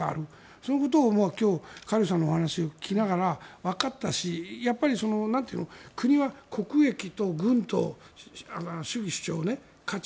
そのことを今日カ・リュウさんのお話を聞きながらわかったしやっぱり国は国益と軍と主義主張、そして価値